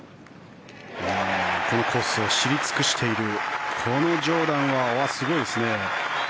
このコースを知り尽くしているこのジョーダンはすごいですね。